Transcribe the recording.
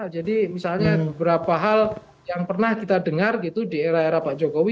jadi misalnya beberapa hal yang pernah kita dengar gitu di era era pak jokowi